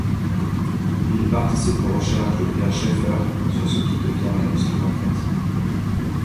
Il participe aux recherches de Pierre Schaeffer sur ce qui devient la musique concrète.